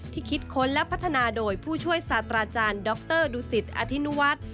ที่คิดค้นและพัฒนาโดยผู้ช่วยศาตราจารย์ดรดูศิษฐ์อธินวัต